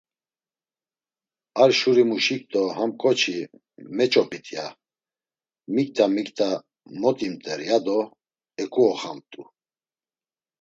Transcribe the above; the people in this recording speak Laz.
Ar şurimuşik do: Ham ǩoçi meç̌opit, ya; Mitka, Mitka mot imt̆er! yado eǩuoxamt̆u.